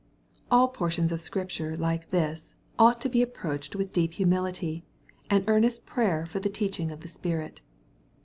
All portions of Scripture like this, ought to be ap proached with deep humility, and earnest prayer for the teaching of the Spirit.